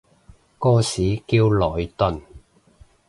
個市叫萊頓